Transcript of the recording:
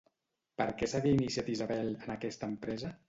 Per què s'havia iniciat Isabel en aquesta empresa?